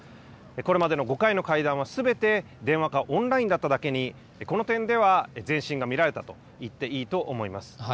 これまでの５回の会談はすべて電話かオンラインだっただけに、この点では、前進が見られたと言っていいと思います。